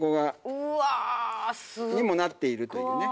うわすごい。にもなっているというね。